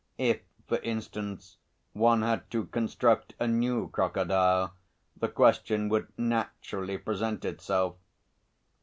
If, for instance, one had to construct a new crocodile, the question would naturally present itself.